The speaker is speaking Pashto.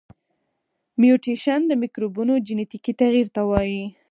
میوټیشن د مکروبونو جنیتیکي تغیر ته وایي.